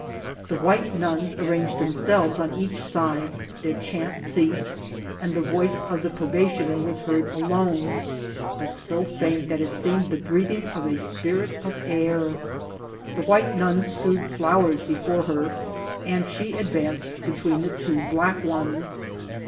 The white nuns ar ranged themselves on each side, their chant ceased, and the voice of the probationer was heard alone, but so Cednt tiiat it seemed the breathing of a spirit of air. The white nuns strewed flowers before her, and die advanced between the two black ones.